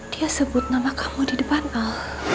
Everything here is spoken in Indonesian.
dia sebut nama kamu di depan al